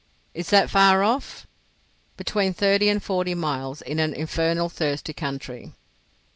"Is that far off?" "Between thirty and forty miles—in an infernal thirsty country."